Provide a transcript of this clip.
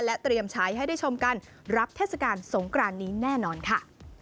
เตรียมใช้ให้ได้ชมกันรับเทศกาลสงกรานนี้แน่นอนค่ะ